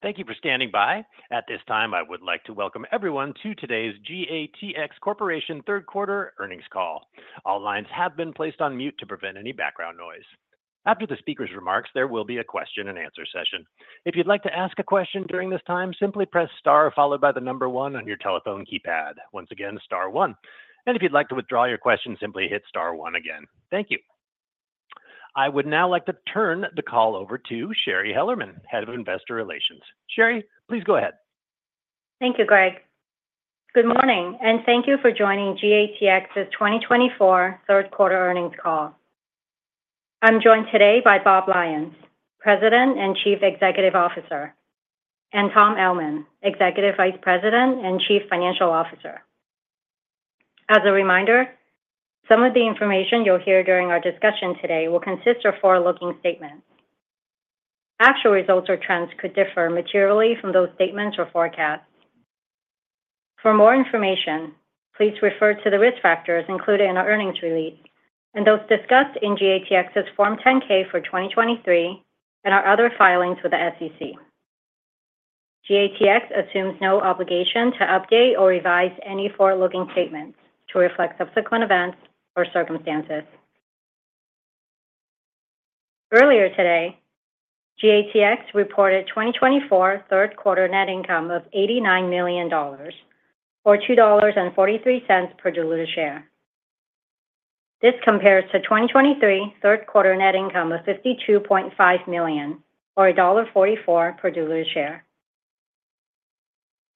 Thank you for standing by. At this time, I would like to welcome everyone to today's GATX Corporation third quarter earnings call. All lines have been placed on mute to prevent any background noise. After the speaker's remarks, there will be a question and answer session. If you'd like to ask a question during this time, simply press star followed by the number one on your telephone keypad. Once again, star one. And if you'd like to withdraw your question, simply hit star one again. Thank you. I would now like to turn the call over to Shari Hellerman, Head of Investor Relations. Shari, please go ahead. Thank you, Greg. Good morning, and thank you for joining GATX's 2024 third quarter earnings call. I'm joined today by Bob Lyons, President and Chief Executive Officer, and Tom Ellman, Executive Vice President and Chief Financial Officer. As a reminder, some of the information you'll hear during our discussion today will consist of forward-looking statements. Actual results or trends could differ materially from those statements or forecasts. For more information, please refer to the risk factors included in our earnings release and those discussed in GATX F 10-K for 2023 and our other filings with the SEC. GATX assumes no obligation to update or revise any forward-looking statements to reflect subsequent events or circumstances. Earlier today, GATX reported 2024 third quarter net income of $89 million or $2.43 per diluted share. This compares to 2023 third quarter net income of $52.5 million or $1.44 per diluted share.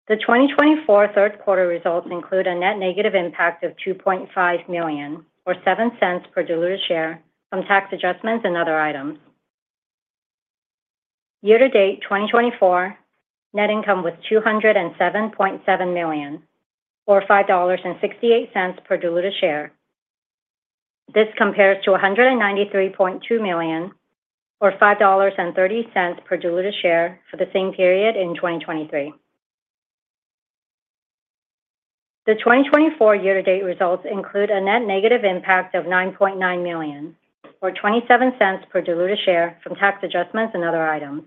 The 2024 third quarter results include a net negative impact of $2.5 million or $0.07 per diluted share from tax adjustments and other items. Year-to-date, 2024 net income was $207.7 million or $5.68 per diluted share. This compares to $193.2 million or $5.30 per diluted share for the same period in 2023. The 2024 year-to-date results include a net negative impact of $9.9 million or $0.27 per diluted share from tax adjustments and other items.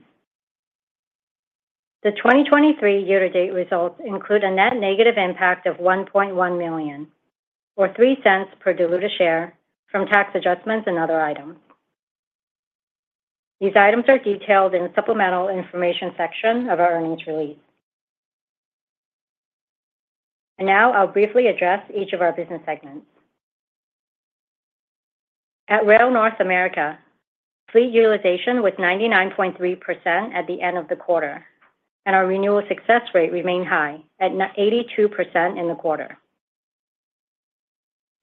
The 2023 year-to-date results include a net negative impact of $1.1 million or $0.03 per diluted share from tax adjustments and other items. These items are detailed in the supplemental information section of our earnings release. Now I'll briefly address each of our business segments. At Rail North America, fleet utilization was 99.3% at the end of the quarter, and our renewal success rate remained high at 92% in the quarter.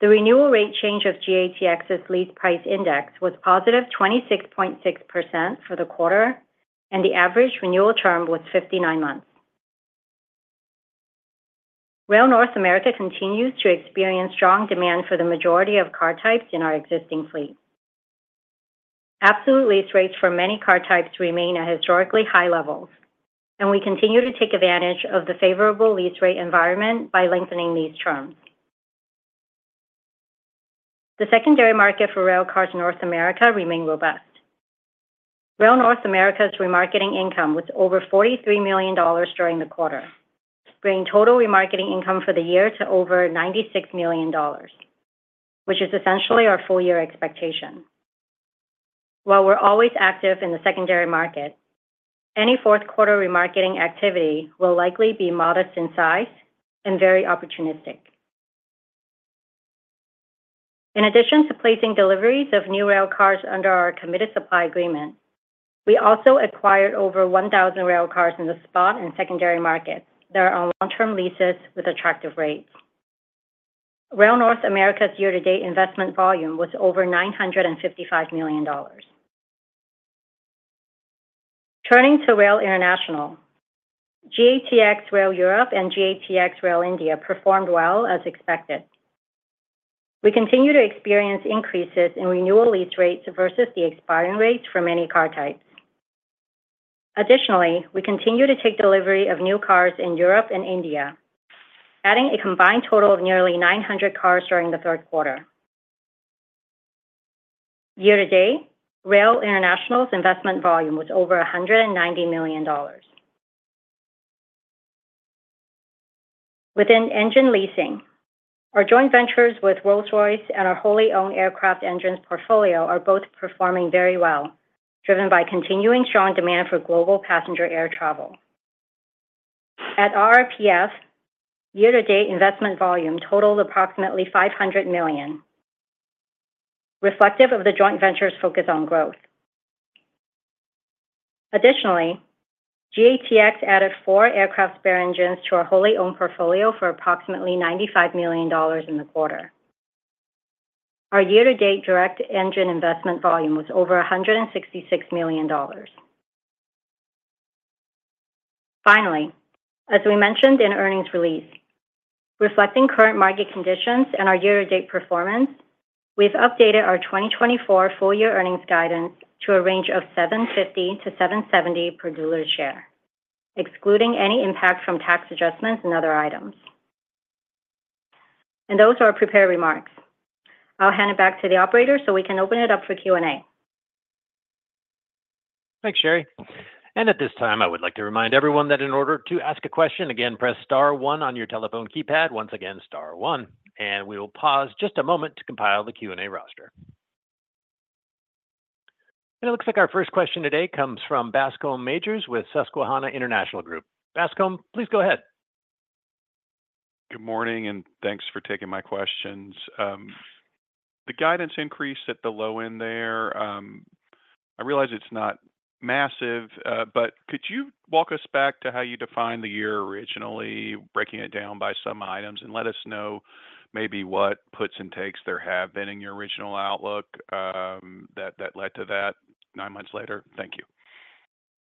The renewal rate change of GATX's Lease Price Index was positive 26.6% for the quarter, and the average renewal term was 59 months. Rail North America continues to experience strong demand for the majority of car types in our existing fleet. Absolute lease rates for many car types remain at historically high levels, and we continue to take advantage of the favorable lease rate environment by lengthening these terms. The secondary market for Rail North America remains robust. Rail North America's remarketing income was over $43 million during the quarter, bringing total remarketing income for the year to over $96 million, which is essentially our full year expectation. While we're always active in the secondary market, any fourth quarter remarketing activity will likely be modest in size and very opportunistic. In addition to placing deliveries of new rail cars under our committed supply agreement, we also acquired over 1,000 rail cars in the spot and secondary markets that are on long-term leases with attractive rates. Rail North America's year-to-date investment volume was over $955 million. Turning to Rail International, GATX Rail Europe and GATX Rail India performed well as expected. We continue to experience increases in renewal lease rates versus the expiring rates for many car types. Additionally, we continue to take delivery of new cars in Europe and India, adding a combined total of nearly 900 cars during the third quarter. Year-to-date, Rail International's investment volume was over $190 million. Within engine leasing, our joint ventures with Rolls-Royce and our wholly owned aircraft engines portfolio are both performing very well, driven by continuing strong demand for global passenger air travel. At RRPF, year-to-date investment volume totaled approximately $500 million, reflective of the joint venture's focus on growth. Additionally, GATX added four aircraft spare engines to our wholly owned portfolio for approximately $95 million in the quarter. Our year-to-date direct engine investment volume was over $166 million. Finally, as we mentioned in earnings release, reflecting current market conditions and our year-to-date performance, we've updated our 2024 full year earnings guidance to a range of $7.50-$7.70 per diluted share, excluding any impact from tax adjustments and other itemsand those are our prepared remarks. I'll hand it back to the operator, so we can open it up for Q&A. Thanks, Sherry. And at this time, I would like to remind everyone that in order to ask a question, again, press star one on your telephone keypad. Once again, star one, and we will pause just a moment to compile the Q&A roster. It looks like our first question today comes from Bascom Majors with Susquehanna International Group. Bascom, please go ahead. Good morning, and thanks for taking my questions. The guidance increase at the low end there, I realize it's not massive, but could you walk us back to how you defined the year originally, breaking it down by some items, and let us know maybe what puts and takes there have been in your original outlook, that led to that nine months later? Thank you.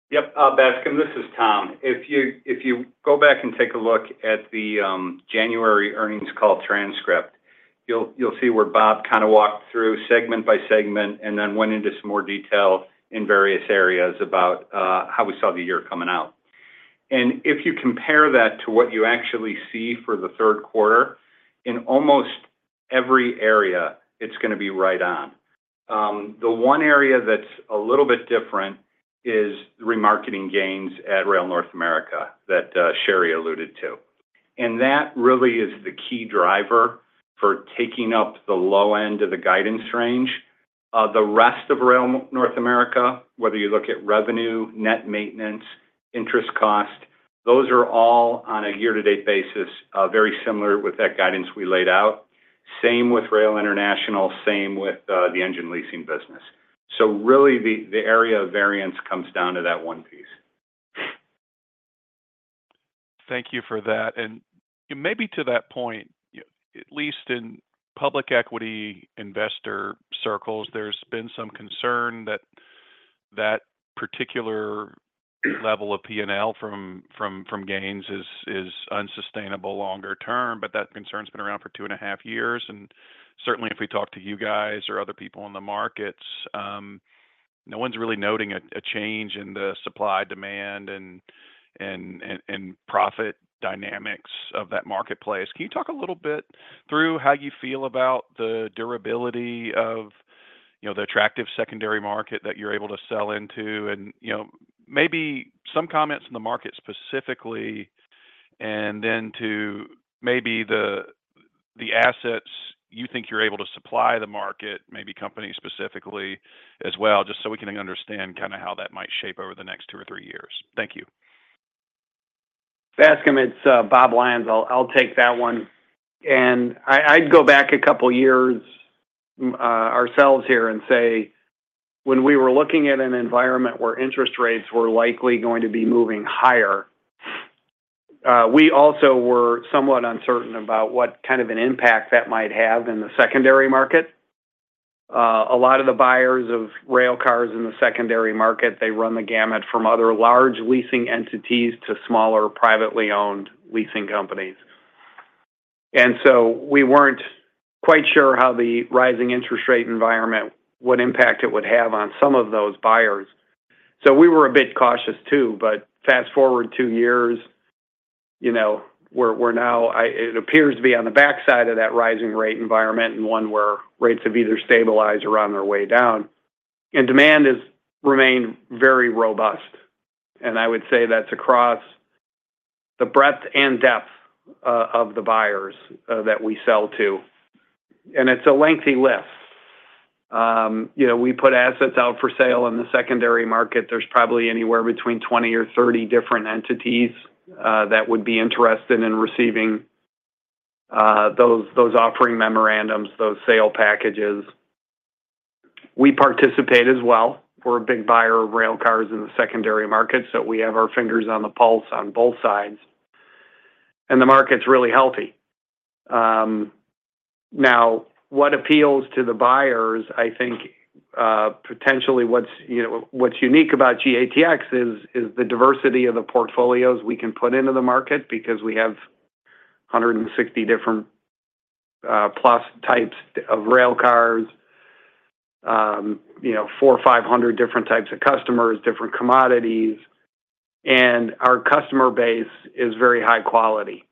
Yep, Bascom, this is Tom. If you go back and take a look at the January earnings call transcript, you'll see where Bob kind of walked through segment by segment and then went into some more detail in various areas about how we saw the year coming out, and if you compare that to what you actually see for the third quarter, in almost every area, it's gonna be right on. The one area that's a little bit different is remarketing gains at Rail North America, that Sherry alluded to, and that really is the key driver for taking up the low end of the guidance range. The rest of Rail North America, whether you look at revenue, net maintenance, interest cost, those are all on a year-to-date basis, very similar with that guidance we laid out. Same with Rail International, same with the engine leasing business. So really, the area of variance comes down to that one piece. Thank you for that. And maybe to that point, at least in public equity investor circles, there's been some concern that that particular level of P&L from gains is unsustainable longer term, but that concern's been around for two and a half years. And certainly, if we talk to you guys or other people in the markets, no one's really noting a change in the supply-demand and profit dynamics of that marketplace. Can you talk a little bit through how you feel about the durability of, you know, the attractive secondary market that you're able to sell into? You know, maybe some comments on the market specifically, and then to maybe the assets you think you're able to supply the market, maybe companies specifically as well, just so we can understand kind of how that might shape over the next two or three years. Thank you. Bascom, it's Bob Lyons. I'll take that one, and I'd go back a couple of years, ourselves here and say, when we were looking at an environment where interest rates were likely going to be moving higher, we also were somewhat uncertain about what kind of an impact that might have in the secondary market. A lot of the buyers of rail cars in the secondary market, they run the gamut from other large leasing entities to smaller, privately owned leasing companies. And so we weren't quite sure how the rising interest rate environment, what impact it would have on some of those buyers. So we were a bit cautious, too. But fast-forward two years, you know, we're now. It appears to be on the backside of that rising rate environment and one where rates have either stabilized or on their way down, and demand has remained very robust. And I would say that's across the breadth and depth of the buyers that we sell to, and it's a lengthy list. You know, we put assets out for sale in the secondary market. There's probably anywhere between 20 or 30 different entities that would be interested in receiving those offering memorandums, those sale packages. We participate as well. We're a big buyer of rail cars in the secondary market, so we have our fingers on the pulse on both sides, and the market's really healthy. Now, what appeals to the buyers, I think, potentially what's, you know, what's unique about GATX is the diversity of the portfolios we can put into the market, because we have a hundred and sixty different, plus types of rail cars, you know, four or five hundred different types of customers, different commodities, and our customer base is very high quality.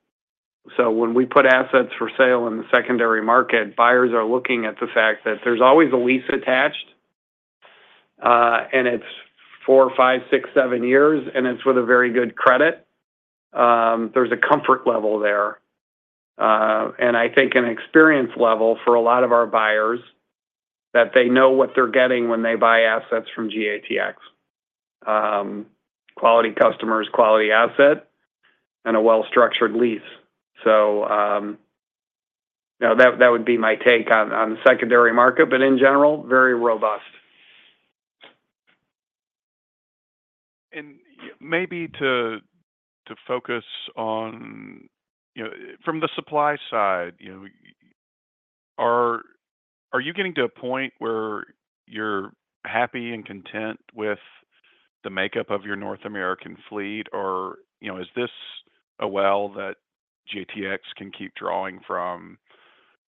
So when we put assets for sale in the secondary market, buyers are looking at the fact that there's always a lease attached, and it's four, five, six, seven years, and it's with a very good credit. There's a comfort level there, and I think an experience level for a lot of our buyers, that they know what they're getting when they buy assets from GATX. Quality customers, quality asset, and a well-structured lease. Now, that would be my take on the secondary market, but in general, very robust. Maybe to focus on... You know, from the supply side, you know, are you getting to a point where you're happy and content with the makeup of your North American fleet? Or, you know, is this a well that GATX can keep drawing from,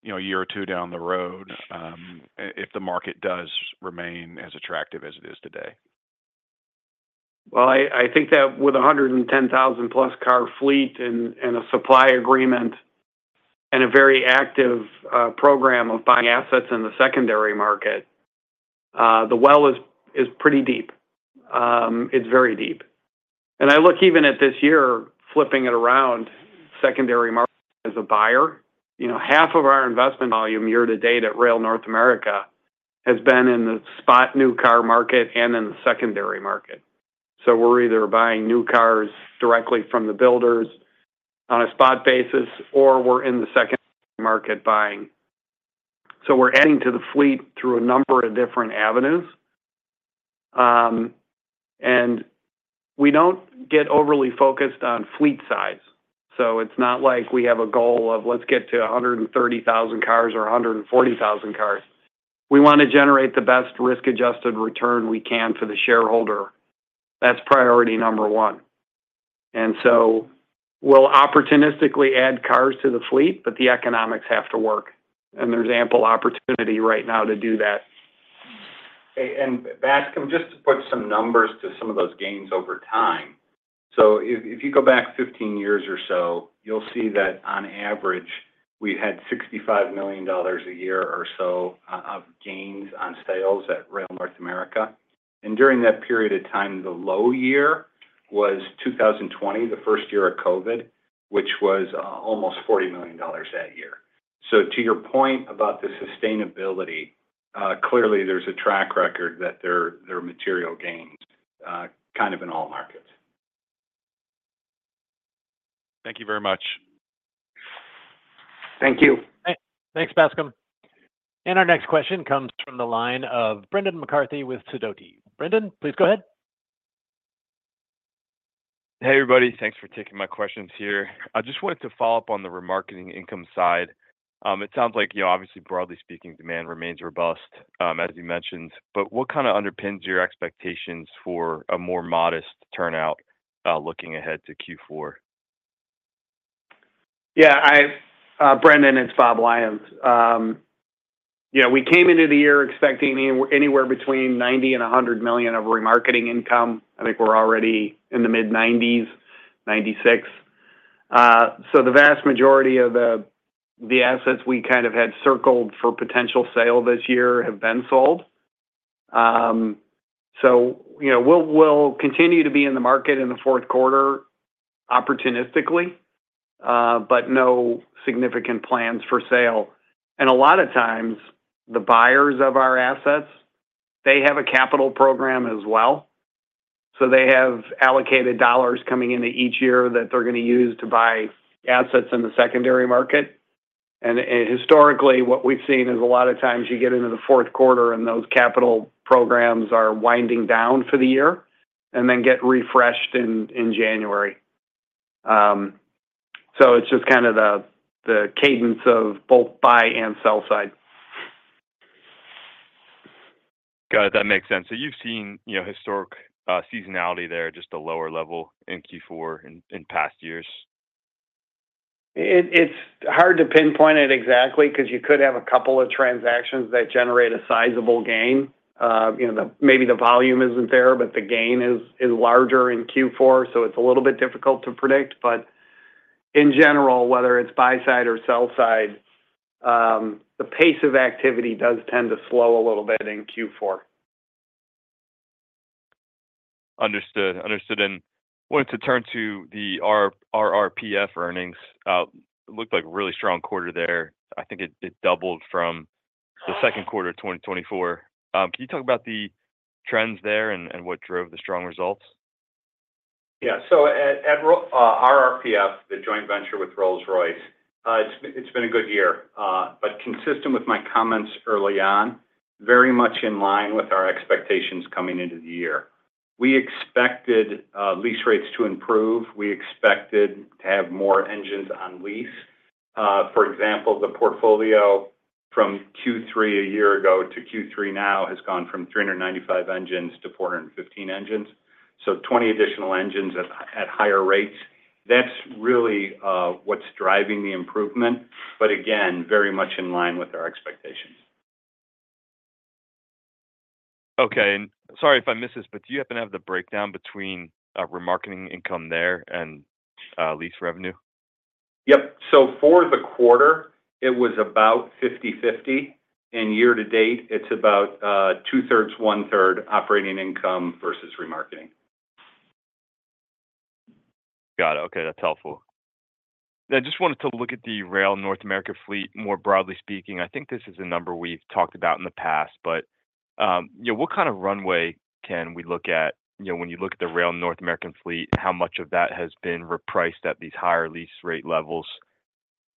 you know, a year or two down the road, if the market does remain as attractive as it is today? ... I think that with a hundred and ten thousand plus car fleet and a supply agreement and a very active program of buying assets in the secondary market, the well is pretty deep. It's very deep, and I look even at this year, flipping it around, secondary market as a buyer, you know, half of our investment volume year to date at Rail North America has been in the spot new car market and in the secondary market, so we're either buying new cars directly from the builders on a spot basis, or we're in the secondary market buying, so we're adding to the fleet through a number of different avenues. And we don't get overly focused on fleet size, so it's not like we have a goal of let's get to a hundred and thirty thousand cars or a hundred and forty thousand cars. We want to generate the best risk-adjusted return we can for the shareholder. That's priority number one. And so we'll opportunistically add cars to the fleet, but the economics have to work, and there's ample opportunity right now to do that. Bascom, just to put some numbers to some of those gains over time. If you go back 15 years or so, you'll see that on average, we had $65 million a year or so of gains on sales at Rail North America. During that period of time, the low year was 2020, the first year of COVID, which was almost $40 million that year. To your point about the sustainability, clearly there's a track record that there are material gains kind of in all markets. Thank you very much. Thank you. Thanks, Bascom, and our next question comes from the line of Brendan McCarthy with Sidoti. Brendan, please go ahead. Hey, everybody. Thanks for taking my questions here. I just wanted to follow up on the remarketing income side. It sounds like, you know, obviously, broadly speaking, demand remains robust, as you mentioned, but what kind of underpins your expectations for a more modest turnout looking ahead to Q4? Yeah, Brendan, it's Bob Lyons. Yeah, we came into the year expecting anywhere between 90 and 100 million of remarketing income. I think we're already in the mid-90s, 96. So the vast majority of the assets we kind of had circled for potential sale this year have been sold. So, you know, we'll continue to be in the market in the fourth quarter, opportunistically, but no significant plans for sale. And a lot of times, the buyers of our assets, they have a capital program as well, so they have allocated dollars coming into each year that they're going to use to buy assets in the secondary market. Historically, what we've seen is a lot of times you get into the fourth quarter, and those capital programs are winding down for the year and then get refreshed in January. So it's just kind of the cadence of both buy and sell side. Got it. That makes sense. So you've seen, you know, historic seasonality there, just a lower level in Q4 in past years? It's hard to pinpoint it exactly, 'cause you could have a couple of transactions that generate a sizable gain. You know, maybe the volume isn't there, but the gain is larger in Q4, so it's a little bit difficult to predict. But in general, whether it's buy side or sell side, the pace of activity does tend to slow a little bit in Q4. Understood. Understood. And wanted to turn to the RRPF earnings. It looked like a really strong quarter there. I think it, it doubled from the second quarter of 2024. Can you talk about the trends there and, and what drove the strong results? Yeah. So at RRPF, the joint venture with Rolls-Royce, it's been a good year, but consistent with my comments early on, very much in line with our expectations coming into the year. We expected lease rates to improve. We expected to have more engines on lease. For example, the portfolio from Q3 a year ago to Q3 now has gone from 395 engines to 415 engines. So 20 additional engines at higher rates. That's really what's driving the improvement, but again, very much in line with our expectations. Okay, and sorry if I missed this, but do you happen to have the breakdown between remarketing income there and lease revenue? Yep. So for the quarter, it was about fifty/fifty, and year to date, it's about two-thirds, one-third operating income versus remarketing. Got it. Okay, that's helpful. I just wanted to look at the Rail North America fleet, more broadly speaking. I think this is a number we've talked about in the past, but, you know, what kind of runway can we look at? You know, when you look at the Rail North America fleet, how much of that has been repriced at these higher lease rate levels?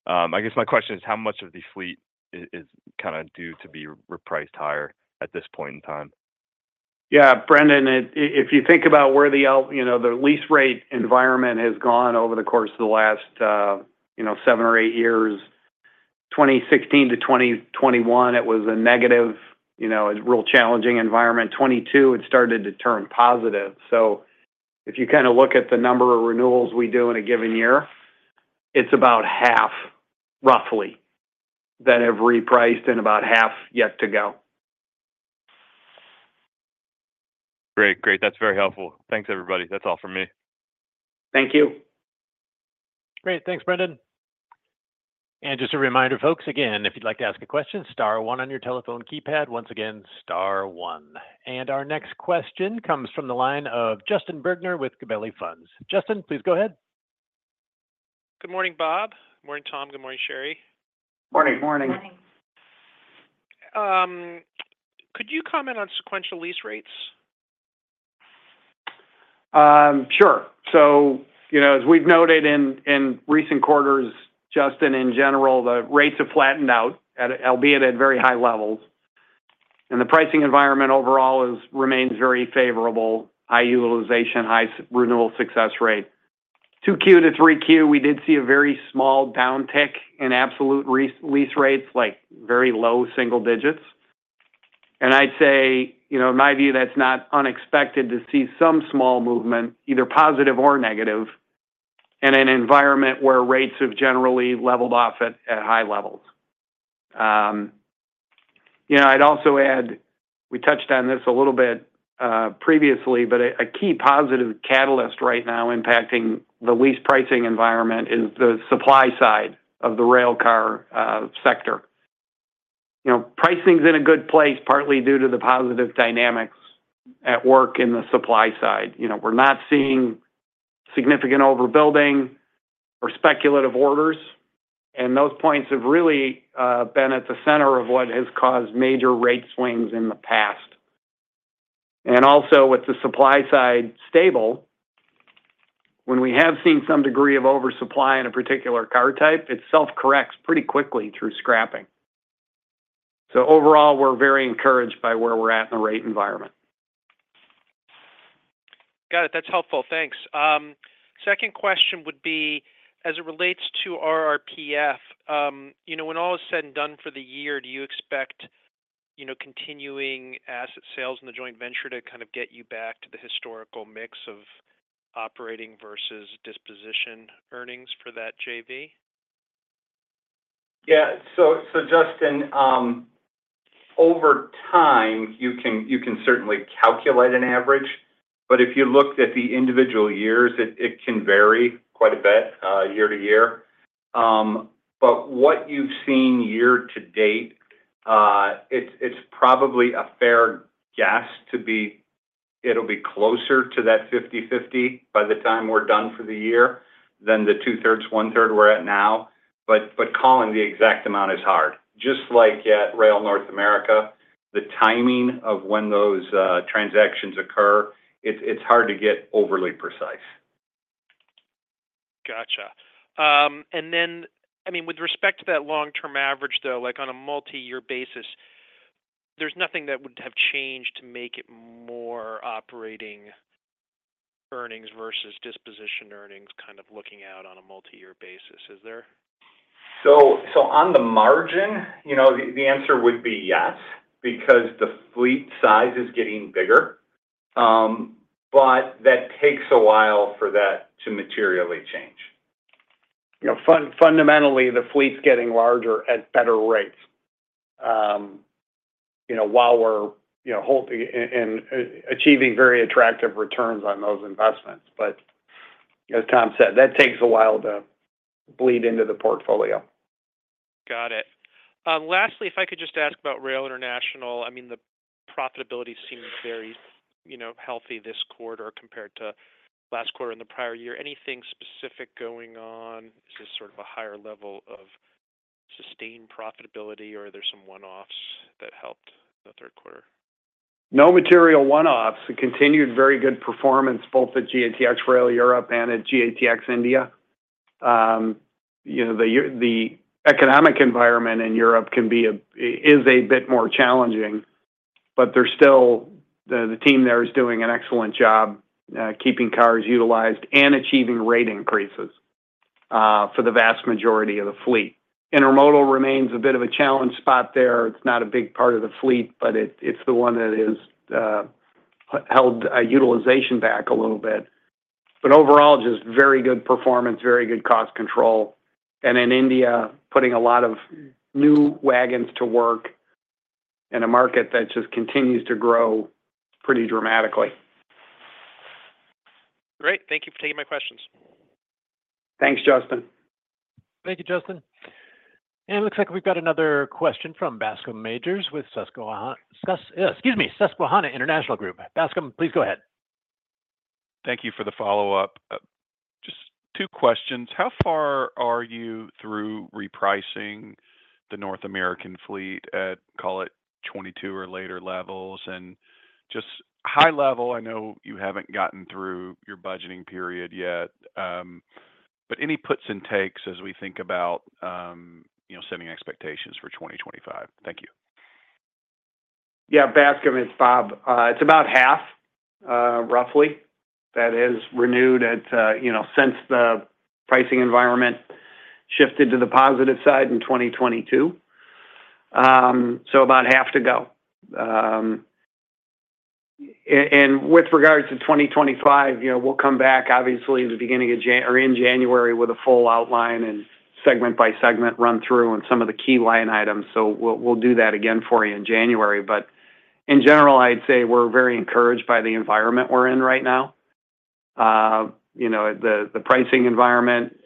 I guess my question is, how much of the fleet is kind of due to be repriced higher at this point in time? Yeah, Brendan, if you think about where the, you know, the lease rate environment has gone over the course of the last, you know, seven or eight years, 2016 to 2021, it was a negative, you know, a real challenging environment. 2022, it started to turn positive. So if you kind of look at the number of renewals we do in a given year, it's about half, roughly, that have repriced and about half yet to go. Great. Great. That's very helpful. Thanks, everybody. That's all from me. Thank you. Great. Thanks, Brendan. And just a reminder, folks, again, if you'd like to ask a question, star one on your telephone keypad. Once again, star one. And our next question comes from the line of Justin Bergner with Gabelli Funds. Justin, please go ahead. Good morning, Bob. Morning, Tom. Good morning, Sherry. Morning. Morning. Could you comment on sequential lease rates? Sure, so you know, as we've noted in recent quarters, Justin, in general, the rates have flattened out at, albeit at very high levels, and the pricing environment overall remains very favorable. High utilization, high renewal success rate. Two Q to three Q, we did see a very small down tick in absolute lease rates, like, very low single digits, and I'd say, you know, in my view, that's not unexpected to see some small movement, either positive or negative, in an environment where rates have generally leveled off at high levels. You know, I'd also add, we touched on this a little bit previously, but a key positive catalyst right now impacting the lease pricing environment is the supply side of the railcar sector. You know, pricing's in a good place, partly due to the positive dynamics at work in the supply side. You know, we're not seeing significant overbuilding or speculative orders, and those points have really been at the center of what has caused major rate swings in the past. Also, with the supply side stable, when we have seen some degree of oversupply in a particular car type, it self-corrects pretty quickly through scrapping. Overall, we're very encouraged by where we're at in the rate environment. Got it. That's helpful. Thanks. Second question would be, as it relates to RRPF, you know, when all is said and done for the year, do you expect, you know, continuing asset sales in the joint venture to kind of get you back to the historical mix of operating versus disposition earnings for that JV? Yeah. So Justin, over time, you can certainly calculate an average, but if you looked at the individual years, it can vary quite a bit year-to-year. But what you've seen year-to-date, it's probably a fair guess to be, it'll be closer to that fifty/fifty by the time we're done for the year than the two-thirds, one-third we're at now. But calling the exact amount is hard. Just like at Rail North America, the timing of when those transactions occur, it's hard to get overly precise. Gotcha. And then, I mean, with respect to that long-term average, though, like on a multi-year basis, there's nothing that would have changed to make it more operating earnings versus disposition earnings, kind of looking out on a multi-year basis, is there? So, on the margin, you know, the answer would be yes, because the fleet size is getting bigger. But that takes a while for that to materially change. You know, fundamentally, the fleet's getting larger at better rates, you know, while we're holding and achieving very attractive returns on those investments. But as Tom said, that takes a while to bleed into the portfolio. Got it. Lastly, if I could just ask about Rail International. I mean, the profitability seems very, you know, healthy this quarter compared to last quarter and the prior year. Anything specific going on? Is this sort of a higher level of sustained profitability, or are there some one-offs that helped the third quarter? No material one-offs. A continued very good performance, both at GATX Rail Europe and at GATX India. You know, the economic environment in Europe can be a, is a bit more challenging, but they're still the team there is doing an excellent job, keeping cars utilized and achieving rate increases for the vast majority of the fleet. Intermodal remains a bit of a challenge spot there. It's not a big part of the fleet, but it's the one that is held utilization back a little bit. But overall, just very good performance, very good cost control. And in India, putting a lot of new wagons to work in a market that just continues to grow pretty dramatically. Great. Thank you for taking my questions. Thanks, Justin. Thank you, Justin. And it looks like we've got another question from Bascom Majors with Susquehanna International Group. Bascom, please go ahead. Thank you for the follow-up. Just two questions. How far are you through repricing the North American fleet at, call it, 2022 or later levels? Just high level, I know you haven't gotten through your budgeting period yet, but any puts and takes as we think about, you know, setting expectations for 2025. Thank you. Yeah, Bascom, it's Bob. It's about half, roughly, that is renewed at, you know, since the pricing environment shifted to the positive side in twenty twenty-two, so about half to go. And with regards to twenty twenty-five, you know, we'll come back obviously at the beginning of January or in January with a full outline and segment by segment run through on some of the key line items, so we'll do that again for you in January, but in general, I'd say we're very encouraged by the environment we're in right now. You know, the pricing environment,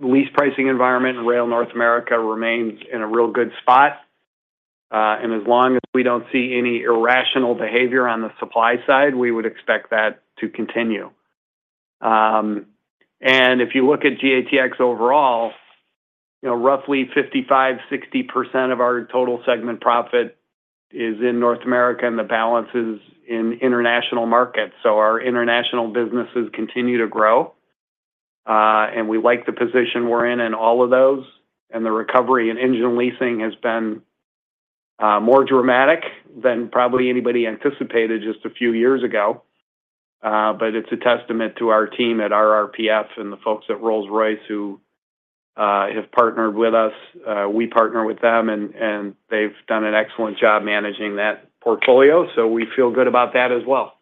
lease pricing environment in Rail North America remains in a real good spot, and as long as we don't see any irrational behavior on the supply side, we would expect that to continue. And if you look at GATX overall, you know, roughly 55%-60% of our total segment profit is in North America, and the balance is in international markets. So our international businesses continue to grow, and we like the position we're in, in all of those. And the recovery in engine leasing has been more dramatic than probably anybody anticipated just a few years ago. But it's a testament to our team at RRPF and the folks at Rolls-Royce who have partnered with us. We partner with them, and, and they've done an excellent job managing that portfolio, so we feel good about that as well.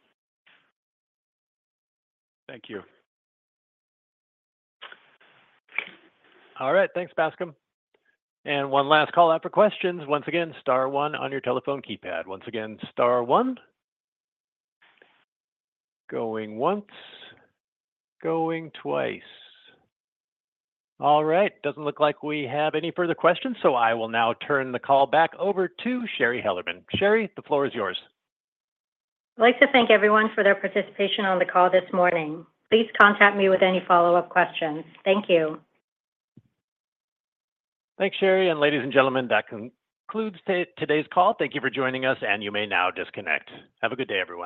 Thank you. All right, thanks, Bascom. And one last call out for questions. Once again, star one on your telephone keypad. Once again, star one. Going once, going twice. All right, doesn't look like we have any further questions, so I will now turn the call back over to Shari Hellerman. Shari, the floor is yours. I'd like to thank everyone for their participation on the call this morning. Please contact me with any follow-up questions. Thank you. Thanks, Shari, and ladies and gentlemen, that concludes today's call. Thank you for joining us, and you may now disconnect. Have a good day, everyone.